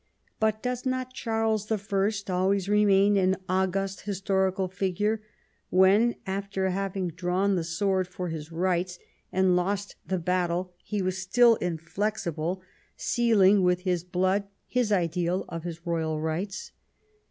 But does not Charles I always remain an august historical figure, when, after having drawn the sword for his rights and lost the battle, he was still inflexible, sealing with his blood his ideal of his royal rights